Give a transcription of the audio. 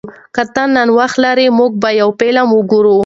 که ته نن وخت لرې، موږ به یو فلم وګورو.